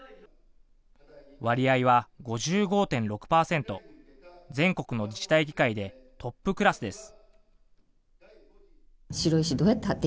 割合は５５．６％、全国の自治体議会でトップクラスです。